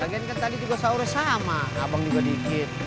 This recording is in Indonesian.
lagian kan tadi juga saurnya sama abang juga sedikit